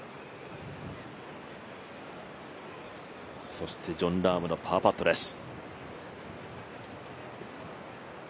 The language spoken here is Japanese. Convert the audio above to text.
そしてジョン・ラームのパーパットです。